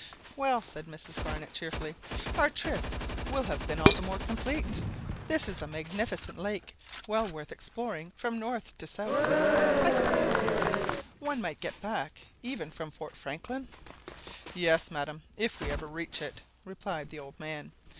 "Well," said Mrs Barnett cheerfully, "our trip will have been all the more complete. This is a magnificent lake, well worth exploring from north to south. I suppose, Norman, one might get back even from Fort Franklin?" "Yes, madam, if we ever reach it," replied the old man.